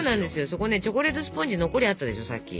そこねチョコレートスポンジ残りあったでしょさっき。